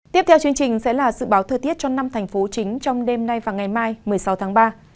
tiếp theo chương trình sẽ là dự báo thời tiết cho năm thành phố chính trong đêm nay và ngày mai một mươi sáu tháng ba